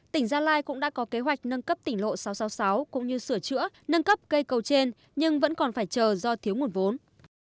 tỉnh gia lai cũng đã có kế hoạch nâng cấp tỉnh lộ sáu trăm sáu mươi sáu cũng như sửa chữa nâng cấp cây cầu trên nhưng vẫn còn phải chờ do thiếu nguồn vốn